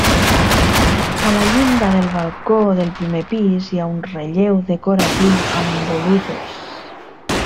A la llinda del balcó del primer pis hi ha un relleu decoratiu amb volutes.